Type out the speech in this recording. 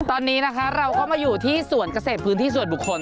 ตอนนี้นะคะเราก็มาอยู่ที่สวนเกษตรพื้นที่ส่วนบุคคล